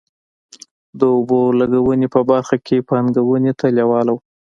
د اوبو لګونې په برخه کې پانګونې ته لېواله وو.